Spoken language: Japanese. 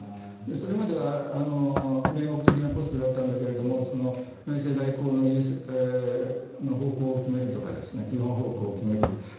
それまでは名目的なポストだったんだけど内政、外交の方向を決めるとか基本方向を決める。